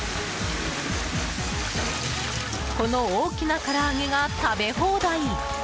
この大きなから揚げが食べ放題。